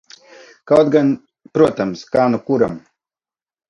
Kaut gan, protams, kā nu kuram.